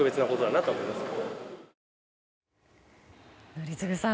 宜嗣さん